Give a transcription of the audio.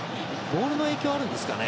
ボールの影響があるんですかね。